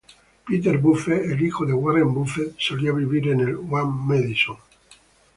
Peter Buffett, el hijo de Warren Buffett, solía vivir en el One Madison.